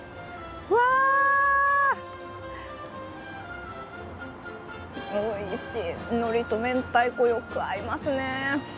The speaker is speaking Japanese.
うわあ、おいしいのりと明太子、よく合いますね。